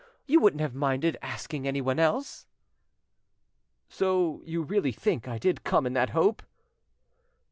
You wouldn't have minded asking anyone else." "So you really think I did come in that hope?"